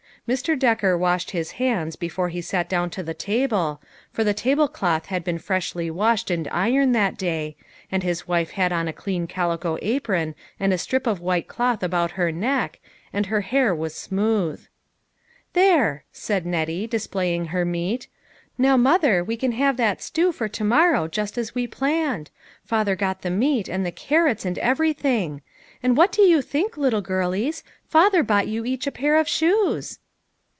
Mr. Decker washed his hands before he sat down to the table, for the tablecloth had been freshly washed and ironed that day, and his wife had on a clean calico apron and a strip of white cloth about her neck, and her hair was smooth. ." There !" said Nettie, displaying her meat, " now, mother, we can have that stew for to morrow, just as we planned. Father got the meat, and the carrots, nd everything. And LONG STORIES TO TELL. 133 what do you think, little girlies, father bought you each a pair of shoes